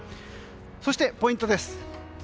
そして、ポイントです。